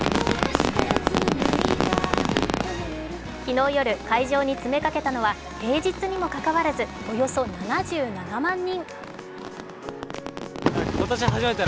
昨日夜、会場に詰めかけたのは、平日にも関わらず、およそ７７万人。